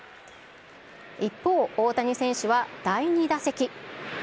一方、大谷選手は第２打席。